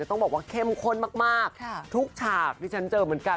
ต้องบอกว่าเข้มข้นมากทุกฉากที่ฉันเจอเหมือนกัน